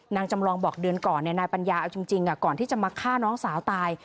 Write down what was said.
จำลองบอกเดือนก่อนนายปัญญาเอาจริงก่อนที่จะมาฆ่าน้องสาวตาย